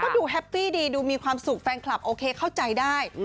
ดูแฮปปี้ดีดูมีความสุขแฟนคลับโอเคเข้าใจได้